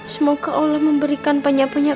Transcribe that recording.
semoga allah memberikan banyak penyakit